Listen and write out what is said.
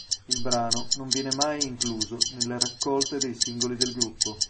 Il brano non viene mai incluso nelle raccolte dei singoli del gruppo.